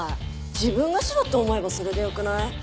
自分が白って思えばそれでよくない？